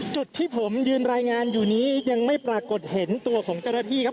จุดที่ผมยืนรายงานอยู่นี้ยังไม่ปรากฏเห็นตัวของเจ้าหน้าที่ครับ